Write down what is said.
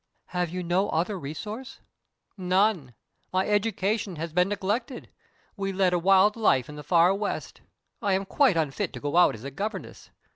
"Have you no other resource?" "None. My education has been neglected we led a wild life in the far West. I am quite unfit to go out as a governess.